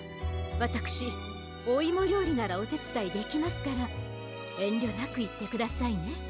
わたくしおいもりょうりならおてつだいできますからえんりょなくいってくださいね。